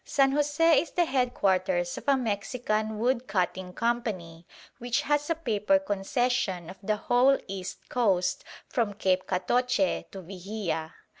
San José is the headquarters of a Mexican wood cutting company which has a paper concession of the whole east coast from Cape Catoche to Vijia.